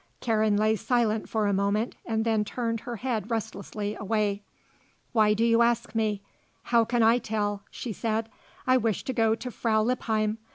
Karen lay silent for a moment and then turned her head restlessly away. "Why do you ask me? How can I tell?" she said. "I wish to go to Frau Lippheim.